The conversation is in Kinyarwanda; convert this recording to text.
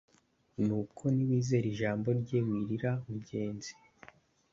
Nuko niwizere ijambo rye wirira mugenzi